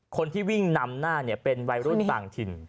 คนที่วิ่งนำหน้าเป็นวัยรุ่นต่างถิ่น